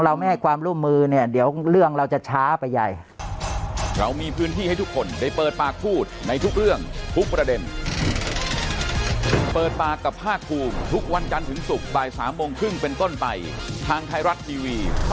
เราคิดว่าถ้าเราเราไม่ให้ความร่วมมือเนี่ยเดี๋ยวเรื่องเราจะช้าไปใหญ่